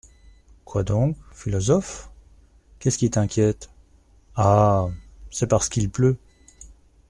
Quoi donc, philosophe ? qu'est-ce qui t'inquiète ?… Ah ! c'est parce qu'il pleut.